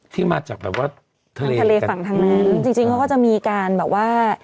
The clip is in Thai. ทะเลฝั่งทางนั้นจริงเขาก็จะมีการแบบว่า